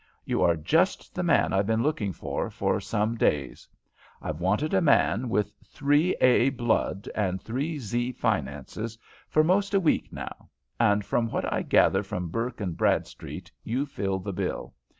You are just the man I've been looking for for some days. I've wanted a man with three A blood and three Z finances for 'most a week now, and from what I gather from Burke and Bradstreet, you fill the bill.